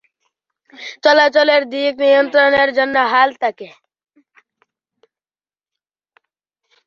চলাচলের দিক নিয়ন্ত্রণের জন্য হাল থাকে।